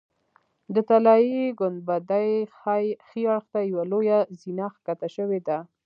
د طلایي ګنبدې ښي اړخ ته یوه لویه زینه ښکته شوې ده.